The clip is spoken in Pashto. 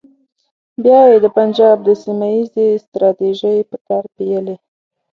بیا یې د پنجاب د سیمه ییزې ستراتیژۍ په تار پېیلې.